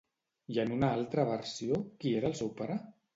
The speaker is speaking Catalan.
I en una altra versió, qui era el seu pare?